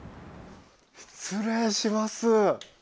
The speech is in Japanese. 失礼します。